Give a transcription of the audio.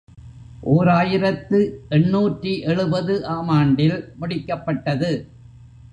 ஓர் ஆயிரத்து எண்ணூற்று எழுபது ஆம் ஆண்டில் முடிக்கப்பட்டது.